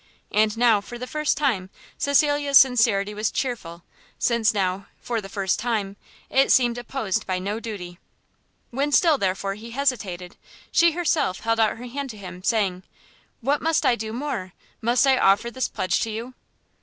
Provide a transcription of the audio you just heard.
And now, for the first time, Cecilia's sincerity was chearful, since now, for the first time, it seemed opposed by no duty. When still, therefore, he hesitated, she herself held out her hand to him, saying, "what must I do more? must I offer this pledge to you?"